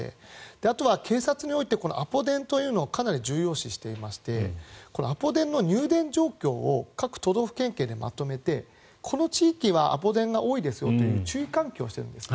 あとは警察においてアポ電というのをかなり重要視していましてアポ電の入電状況を各都道府県警でまとめてこの地域はアポ電が多いですよという注意喚起をしているんですね。